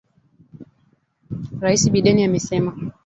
Rais Biden amesema